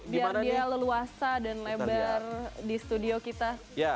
biar dia leluasa dan lebar di studio kita